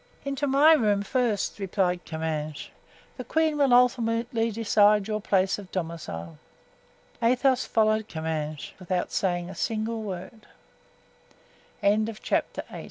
"Into my room first," replied Comminges; "the queen will ultimately decide your place of domicile." Athos followed Comminges without saying a single word. Chapter LXXXI. Cardinal Mazarin as King.